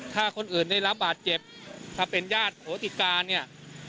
ถ้าคนอื่นได้รับบาดเจ็บถ้าเป็นญาติโหติกาเนี่ย